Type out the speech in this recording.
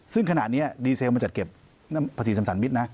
ซึ่งขนาดนี้ดีเซลมาจัดเก็บนั่นภาษีสัมศัลย์มิตรนะ